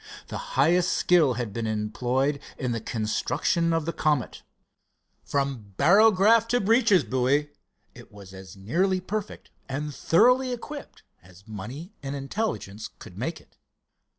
The highest skill had been employed in the construction of the Comet. From barograph to breeches buoy it was as nearly perfect and thoroughly equipped as money and intelligence could make it.